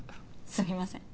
すみません。